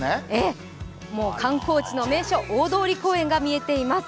観光地の名所、大通公園が見えています。